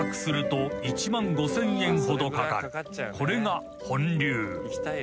［これが本流］